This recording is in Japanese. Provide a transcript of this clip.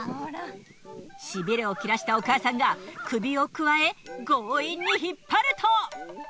しびれを切らしたお母さんが首をくわえ強引に引っ張ると。